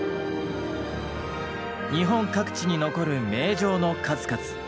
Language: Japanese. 日本各地に残る名城の数々。